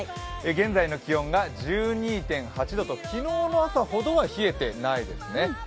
現在の気温が１２．８度と昨日の朝ほどは冷えてないですね。